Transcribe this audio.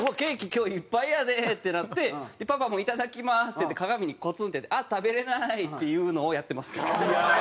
今日いっぱいやでってなってパパもいただきますって言って鏡にコツンってやってあっ食べれない！っていうのをやってます。